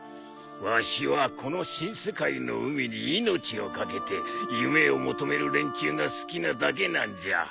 わしはこの新世界の海に命を懸けて夢を求める連中が好きなだけなんじゃ。